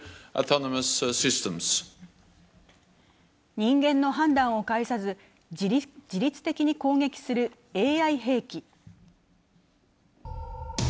人間の判断を介さず、自律的に攻撃するＡＩ兵器。